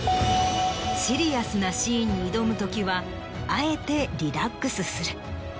シリアスなシーンに挑むときはあえてリラックスする。